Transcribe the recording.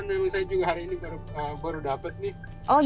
impermentan selama ini sudah enak